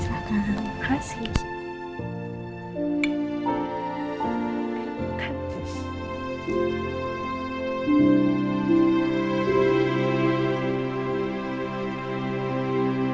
aku sudah berhasil menerima cinta